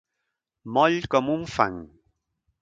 Moll com un fang.